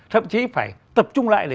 thậm chí phải tập trung lại để